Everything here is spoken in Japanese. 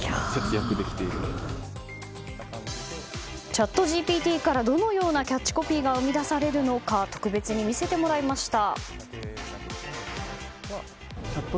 チャットＧＰＴからどのようなキャッチコピーが生み出されるのか特別に見せてもらいました。